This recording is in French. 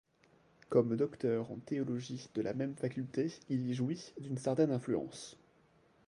Comme docteur en théologie de la même faculté il y jouit d'une certaine influence.